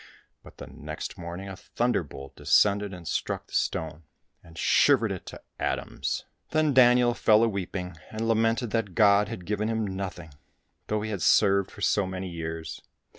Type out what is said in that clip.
But the next morning a thunder bolt descended and struck the stone, and shivered it to atoms. Then Daniel fell a weeping, and lamented that God had given him nothing, though he had served for so many years.